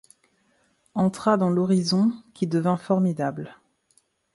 Entra dans l’horizon qui devint formidable ;